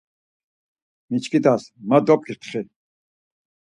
Miçkit̆as mado p̆k̆itxi.